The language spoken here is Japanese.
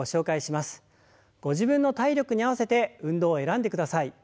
ご自分の体力に合わせて運動を選んでください。